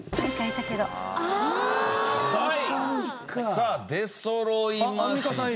さあ出そろいました。